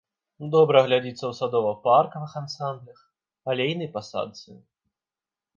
Добра глядзіцца ў садова-паркавых ансамблях, алейнай пасадцы.